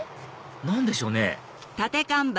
何でしょうね？